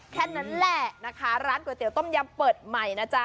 แค่นั้นแหละนะคะร้านก๋วยเตี๋ต้มยำเปิดใหม่นะจ๊ะ